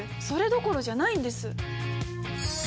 それどころじゃないんです！